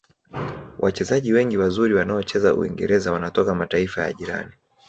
wachezaji wengi wazuri waonaocheza uingereza wanatoka mataifa ya jirani